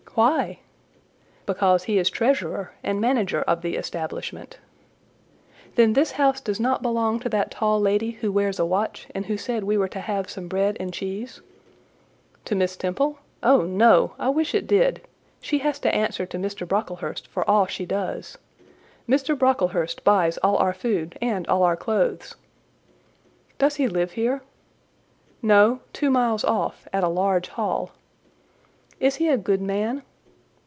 "Why?" "Because he is treasurer and manager of the establishment." "Then this house does not belong to that tall lady who wears a watch, and who said we were to have some bread and cheese?" "To Miss Temple? Oh, no! I wish it did: she has to answer to Mr. Brocklehurst for all she does. Mr. Brocklehurst buys all our food and all our clothes." "Does he live here?" "No—two miles off, at a large hall." "Is he a good man?"